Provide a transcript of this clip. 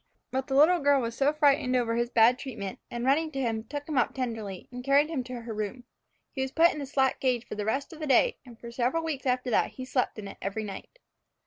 But the little girl was frightened over his bad treatment, and running to him, took him up tenderly, and carried him to her room. He was put into the slat cage for the rest of the day, and for several weeks after that slept in it every night.